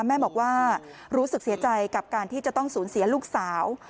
แม่บอกว่ารู้สึกเสียใจกับการที่จะต้องสูญเสียลูกสาว